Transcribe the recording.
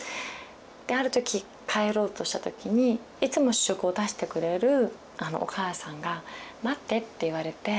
である時帰ろうとした時にいつも試食を出してくれるおかあさんが「待って」って言われて。